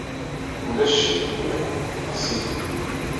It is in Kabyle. Ulac ccekk deg waya. Ɣezzif.